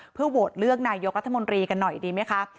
เพื่อโหวตเลือกนายกรัฐมนตรีกันหน่อยดีไหมคะ